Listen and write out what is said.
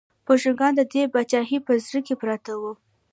بوشنګان د دې پاچاهۍ په زړه کې پراته وو.